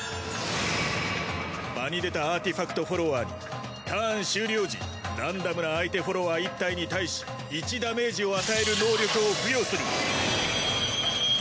場に出たアーティファクトフォロワーにターン終了時ランダムな相手フォロワー１体に対し１ダメージを与える能力を付与する。